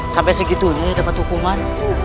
sampai segitunya dapat hukuman